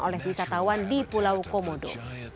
oleh wisatawan di pulau komodo